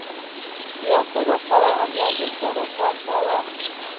یا تر آخره عمره در سره کار کوم.